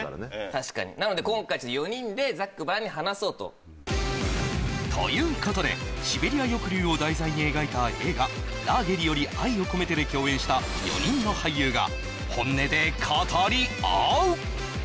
確かになので今回４人でざっくばらんに話そうとということでシベリア抑留を題材に描いた映画「ラーゲリより愛を込めて」で共演した４人の俳優が本音で語り合う！